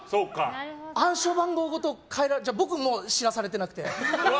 暗証番号ごと変えられて僕も知らされてなくて。